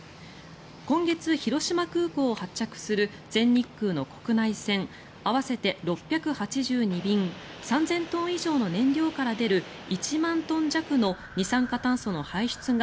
今月、広島空港を発着する全日空の国内線合わせて６８２便３０００トン以上の燃料から出る１万トン弱の二酸化炭素の排出が